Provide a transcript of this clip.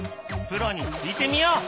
プロに聞いてみよう！